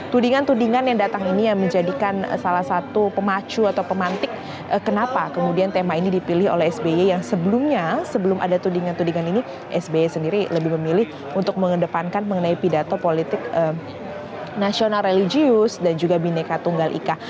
tudingan tudingan yang datang ini yang menjadikan salah satu pemacu atau pemantik kenapa kemudian tema ini dipilih oleh sby yang sebelumnya sebelum ada tudingan tudingan ini sby sendiri lebih memilih untuk mengedepankan mengenai pidato politik nasional religius dan juga bineka tunggal ika